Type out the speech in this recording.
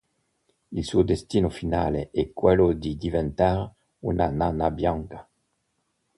Il suo destino finale è quello di diventare una nana bianca.